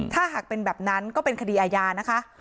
ถ้าหากเป็นแบบนั้นก็เป็นคดีอาญานะคะ